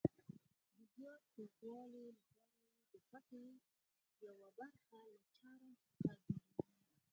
د زیات کلکوالي لپاره یې د پټۍ یوه برخه له چرم څخه جوړوي.